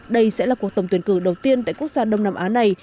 đây sẽ là cuộc tổng tuyển cử đầu tiên tại quốc gia đông nam á này